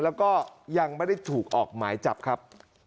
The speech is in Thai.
แล้วก็ยังไม่ได้ถูกออกหมายจับครับ